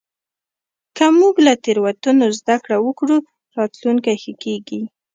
که موږ له تېروتنو زدهکړه وکړو، راتلونکی ښه کېږي.